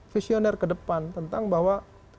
visioner ke depan tentang bahwa